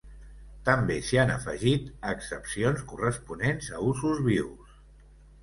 També s’hi han afegit accepcions corresponents a usos vius.